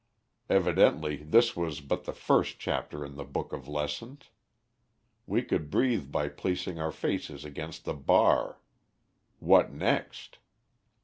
Evidently this was but the first chapter in the book of lessons. We could breathe by placing our faces against the bar. What next?